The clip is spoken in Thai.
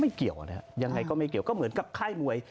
เกี่ยวนะครับยังไงก็ไม่เกี่ยวก็เหมือนกับค่ายมวย